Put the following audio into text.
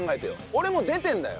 俺もう出てるんだよ。